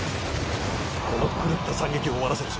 この狂った惨劇を終わらせるぞ。